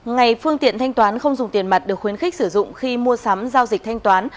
ngày phương tiện thanh toán không dùng tiền mặt được khuyến khích sử dụng khi mua sắm giao dịch thanh toán